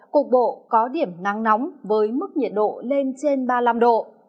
cục bộ có điểm nắng nóng với mức nhiệt độ lên trên ba mươi năm độ